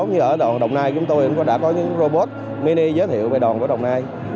như ở đoàn đồng nai chúng tôi đã có những robot mini giới thiệu về đoàn đồng nai